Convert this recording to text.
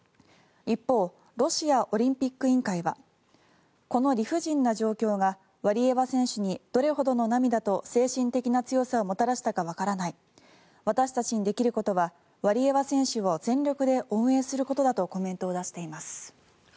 一方ロシアオリンピック委員会はこの理不尽な状況がワリエワ選手にどれほどの涙と精神的な強さをもたらしたかわからない私たちにできることはワリエワ選手を全力で応援することだとコメントを出しています。